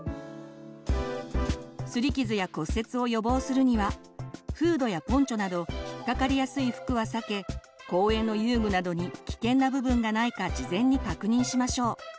すり傷や骨折を予防するにはフードやポンチョなど引っかかりやすい服は避け公園の遊具などに危険な部分がないか事前に確認しましょう。